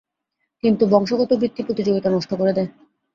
কিন্তু বংশগত বৃত্তি প্রতিযোগিতা নষ্ট করে দেয়।